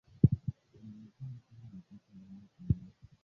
Kuna majimbo kumi na tatu ambayo tayari yamepanga miswada ya sheria